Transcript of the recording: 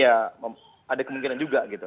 itu mungkin ya ada kemungkinan juga gitu